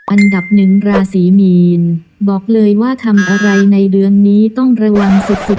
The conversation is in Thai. อันดับหนึ่งราศีมีนบอกเลยว่าทำอะไรในเดือนนี้ต้องระวังสุดสุด